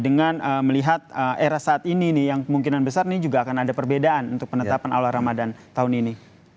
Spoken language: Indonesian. dengan melihat era saat ini nih yang kemungkinan besar ini juga akan ada perbedaan untuk penetapan awal ramadan tahun ini